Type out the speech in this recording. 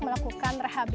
semoga kalau mereka selesai